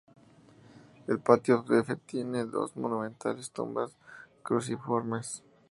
El Patio F tiene dos monumentales tumbas cruciformes.